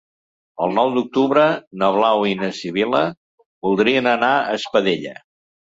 El nou d'octubre na Blau i na Sibil·la voldrien anar a Espadella.